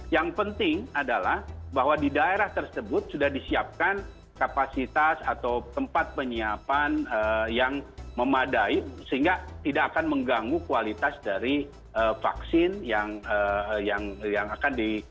yang penting adalah bahwa di daerah tersebut sudah disiapkan kapasitas atau tempat penyiapan yang memadai sehingga tidak akan mengganggu kualitas dari vaksin yang akan di